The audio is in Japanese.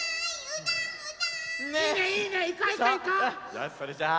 よしそれじゃあ。